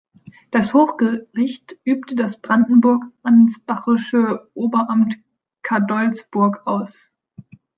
Das Hochgericht übte das brandenburg-ansbachische Oberamt Cadolzburg aus.